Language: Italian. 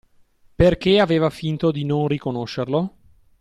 Perché aveva finto di non riconoscerlo?